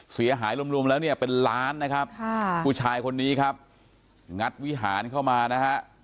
เสียหายรวมแล้วเนี่ยเป็นล้านนะครับผู้ชายคนนี้ครับงัดวิหารเข้ามานะฮะ